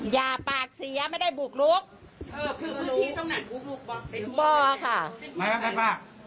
อย่าปากเสี๊ยไม่ได้บุกลุก